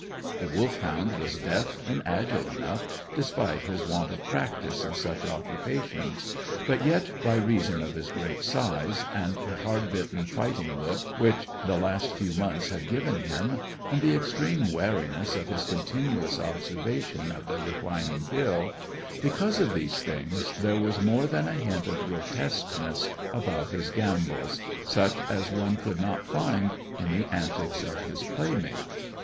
The Wolfhound was deft and agile enough, despite his want of practice in such occupations, but yet, by reason of his great size, and the hard bitten, fighting look which the last few months had given him, and the extreme wariness of his continuous observation of the reclining Bill; because of these things, there was more than a hint of grotesqueness about his gambols, such as one could not find in the antics of his playmate.